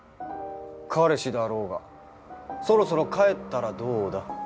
彼氏だろうがそろそろ帰ったらどうだ？